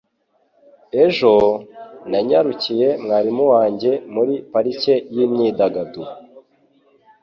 Ejo, nanyarukiye mwarimu wanjye muri parike yimyidagaduro.